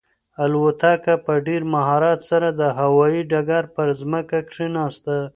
الوتکه په ډېر مهارت سره د هوايي ډګر پر ځمکه کښېناسته.